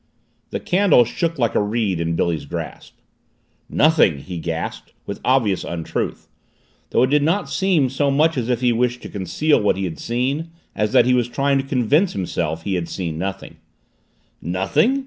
The candle shook like a reed in Billy's grasp. "Nothing!" he gasped with obvious untruth, though it did not seem so much as if he wished to conceal what he had seen as that he was trying to convince himself he had seen nothing. "Nothing!"